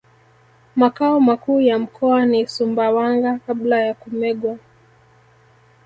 Makao makuu ya mkoa ni Sumbawanga Kabla ya kumegwa